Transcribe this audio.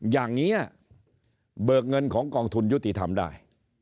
อย่างนี้เบิกเงินของกองทุนยุติธรรมได้